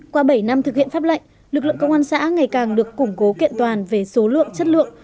qua bảy năm thực hiện pháp lệnh lực lượng công an xã ngày càng được củng cố kiện toàn về số lượng chất lượng